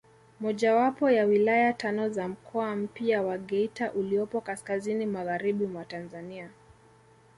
Mojawapo ya wilaya tano za mkoa mpya wa Geita uliopo kaskazini magharibi mwa Tanzania